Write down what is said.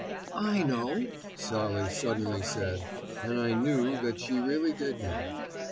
"I know!" Sallie suddenly said, and I knew that she really did know.